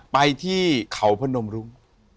ไปที่เขาพนมรุ้ง